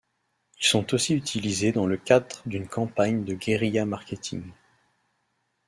Ils sont aussi utilisés dans le cadre d'une campagne de guérilla marketing.